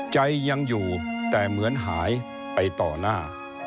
ใจยังอยู่แต่เหมือนหายไปต่อหน้า